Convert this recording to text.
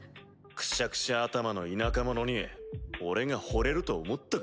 くしゃくしゃ頭の田舎者に俺が惚れると思ったか。